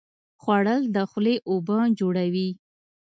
خوړل د خولې اوبه جوړوي